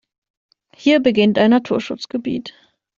Hier beginnt ein Naturschutzgebiet.